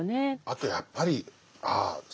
あとやっぱりああ